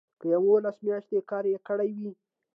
که یوولس میاشتې کار یې کړی وي.